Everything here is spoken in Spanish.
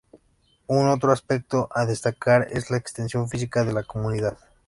Un otro aspecto a destacar es la extensión física de la comunidad.